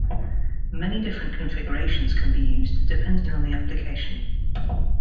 Many different configurations can be used depending on the application.